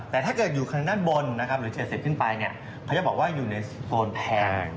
แต่ถ้าเกิดอยู่ขนาดบนเขาจะบอกว่าอยู่ในโซนแพง